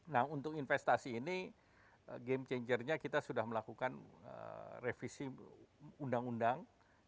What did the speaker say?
nah untuk investasi ini game changernya kita sudah melakukan revisi undang undang